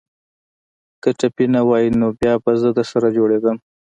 که ټپي نه واى نو بيا به زه درسره جوړېدم.